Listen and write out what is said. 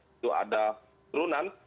itu ada turunan